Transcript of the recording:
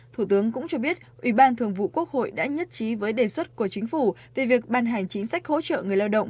thủ tướng cũng cho biết ủy ban thường vụ quốc hội đã nhất trí với đề xuất của chính phủ về việc ban hành chính sách hỗ trợ người lao động